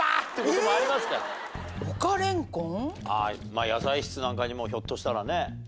まあ野菜室なんかにもひょっとしたらね。